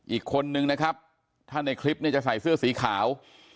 อีกคนนึงนะครับถ้าในคลิปเนี่ยจะใส่เสื้อสีขาว